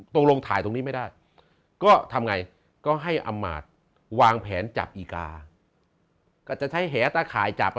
ตรงลงถ่ายตรงนี้ไม่ได้ก็ทำไงก็ให้อำมาตย์วางแผนจับอีกาก็จะใช้แหตะข่ายจับ